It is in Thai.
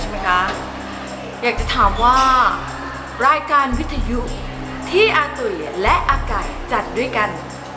ไหมคะอยากจะถามว่ารายการวิทยุที่อาตุ๋ยและอากายจัดด้วยกัน